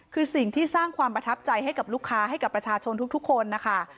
คือสิ่งที่สร้างความประทับใจให้กับลูกค้าให้กับประชาชนทุกคนนะคะ